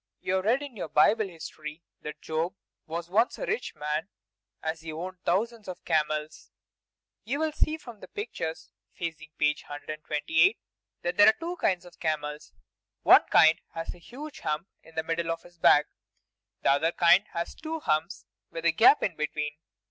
You have read in your Bible history that Job was once a rich man, as he owned thousands of camels. You will see from the pictures facing page 128 that there are two kinds of camels; one kind has a huge hump on the middle of his back; and the other kind has two humps, with a gap between.